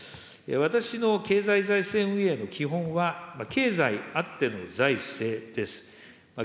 私の経済財政運営の基本は、経済あっての財政です。